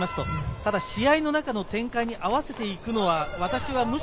ただ試合の中の展開に合わせていくのは私はむし